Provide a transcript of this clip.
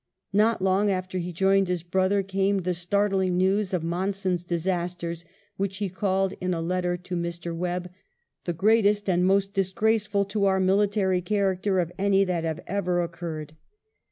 Not long after he joined his brother came the startling news of Monson's disasters, which he called in a letter to Mr. Webbe, "the greatest and most disgraceful to our military character of any that have ever occurred."